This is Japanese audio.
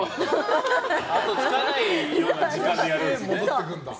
あとがつかないような時間でやるんですね。